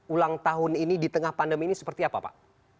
ulang tahun ini di tengah pandemi ini seperti apa pak